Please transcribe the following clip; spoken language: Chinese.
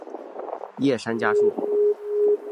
叶山嘉树。